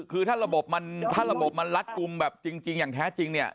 คือถ้าระบบมันลัดกลุมแบบจริงอย่างแท้จริงเนี่ย